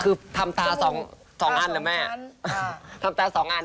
คือทำตาสองสองอันเหรอแม่ทำตาสองอัน